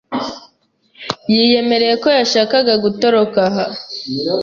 Yiyemereye ko yashakaga gutoroka aha.